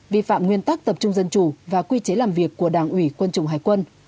vi phạm nguyên tắc tập trung dân chủ và quy chế làm việc của đảng ủy quân chủng hải quân